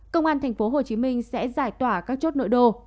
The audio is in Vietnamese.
công an tp hcm sẽ giải tỏa các chốt nội đô